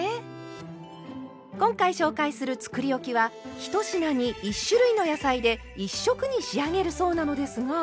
今回紹介するつくりおきは１品に１種類の野菜で１色に仕上げるそうなのですが。